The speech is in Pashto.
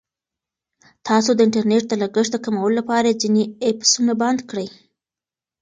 تاسو د انټرنیټ د لګښت د کمولو لپاره ځینې ایپسونه بند کړئ.